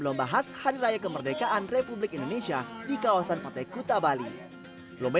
lomba khas hari raya kemerdekaan republik indonesia di kawasan pantai kuta bali lomba